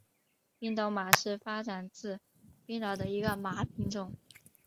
冰岛马是发展自冰岛的一个马品种。